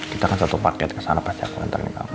kita kan satu paket kesana pas aku antar nih kamu